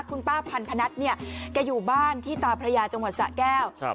คุณป้าพันธนัทเนี่ยแกอยู่บ้านที่ตาพระยาจังหวัดสะแก้ว